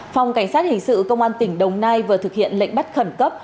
phòng cảnh sát hình sự công an tỉnh đồng nai vừa thực hiện lệnh bắt khẩn cấp